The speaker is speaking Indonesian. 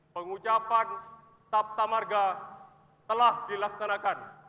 pengucapan taptamarga telah dilaksanakan